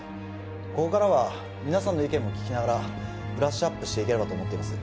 ここからは皆さんの意見も聞きながらブラッシュアップしていければと思っています